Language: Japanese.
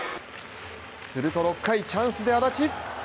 すると６回チャンスで安達。